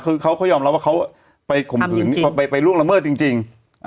คือเขายอมรับว่าเขาไปข่มขืนไปล่วงละเมิดจริง